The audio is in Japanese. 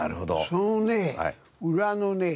そのね裏のね